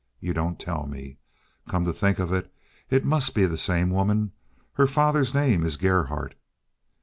"You don't tell me! Come to think of it, it must be the same woman. Her father's name is Gerhardt."